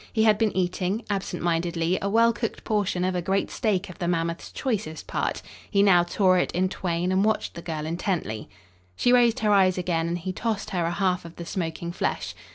He had been eating, absent mindedly, a well cooked portion of a great steak of the mammoth's choicest part. He now tore it in twain and watched the girl intently. She raised her eyes again and he tossed her a half of the smoking flesh.